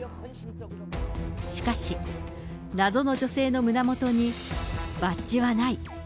しかし、謎の女性の胸元にバッジはない。